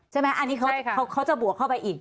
ใช่ไหมอันนี้เขาจะบวกเข้าไปอีก